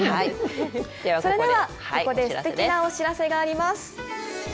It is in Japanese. それでは、ここですてきなお知らせがあります。